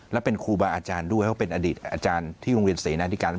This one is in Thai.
และเป็นครูบาอาจารย์ด้วยเขาเป็นอดีตอาจารย์ที่โรงเรียนเสนาธิการ